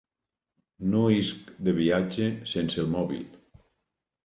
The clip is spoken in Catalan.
No isc de viatge sense el mòbil.